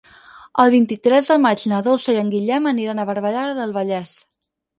El vint-i-tres de maig na Dolça i en Guillem aniran a Barberà del Vallès.